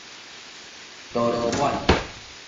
哆囉滿